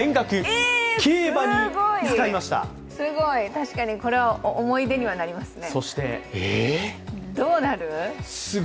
確かに、これは思い出にはなりますね。